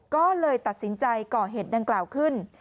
ก็เลยตัดสินใจก่อเหตุดังกล่าวขึ้น